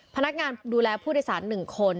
พนักงานดูแลผู้โดยสาร๑คน